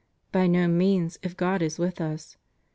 By no means if God is with us.